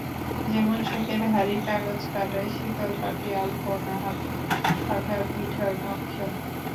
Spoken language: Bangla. যেমন শখের হাঁড়ি, কাগজ কাটাই, শীতল পাটি, আলপনা, হাতপাখা, পিঠার নকশা।